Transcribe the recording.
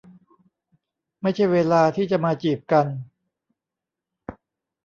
ไม่ใช่เวลาที่จะมาจีบกัน